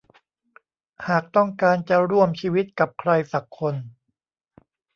หากต้องการจะร่วมชีวิตกับใครสักคน